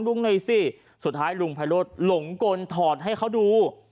ลุงหน่อยสิสุดท้ายลุงภรรดศ์ลงกลถอดให้เขาดู